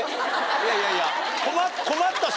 いやいやいや。